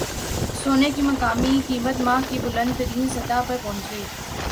سونے کی مقامی قیمت ماہ کی بلند ترین سطح پر پہنچ گئی